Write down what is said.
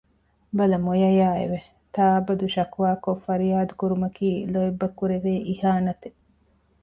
ބަލަ މޮޔަޔާއެވެ! ތާއަބަދު ޝަކުވާކޮށް ފަރިޔާދު ކުރުމަކީ ލޯތްބަށް ކުރެވޭ އިހާނަތެއް